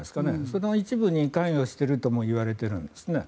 その一部に関与しているともいわれているんですね。